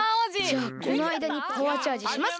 じゃあこのあいだにパワーチャージしますか！